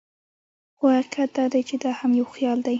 خو حقیقت دا دی چې دا هم یو خیال دی.